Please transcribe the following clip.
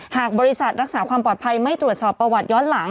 หากบริษัทรักษาความปลอดภัยไม่ตรวจสอบประวัติย้อนหลัง